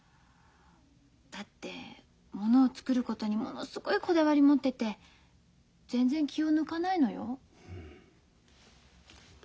だってものを作ることにものすごいこだわり持ってて全然気を抜かないのよ。